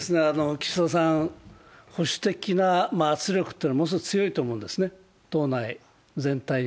岸田さん、保守的な圧力はものすごく強いと思うんですね、党内全体に。